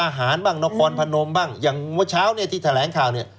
บุคดาหารบ้างนครพนมบ้างอย่างเมื่อเช้าที่แถลงข่าว